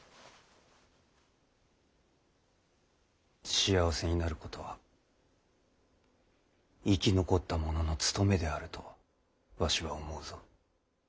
幸せになることは生き残った者の務めであるとわしは思うぞ。